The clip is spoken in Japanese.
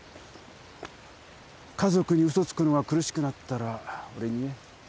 家族に嘘つくのが苦しくなったら俺に言え。